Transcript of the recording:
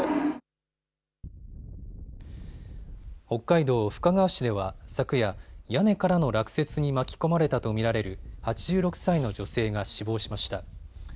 北海道深川市では昨夜、屋根からの落雪に巻き込まれたと見られる８６歳の女性が死亡しました。